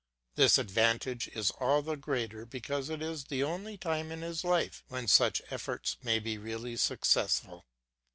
This advantage is all the greater because this is the only time in his life when such efforts may be really successful.